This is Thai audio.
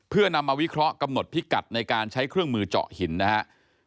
เพื่อนำมาวิเคราะห์กำหนดพิกัดในการใช้เครื่องมือเจาะหินนะครับ